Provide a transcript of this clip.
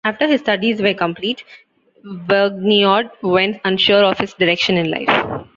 After his studies were complete, Vergniaud went unsure of his direction in life.